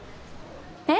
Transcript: えっ？